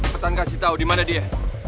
petang kasih tau dimana dia